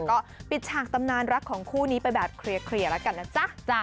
ก็ปิดฉากตำนานรักของคู่นี้ไปแบบเคลียร์แล้วกันนะจ๊ะ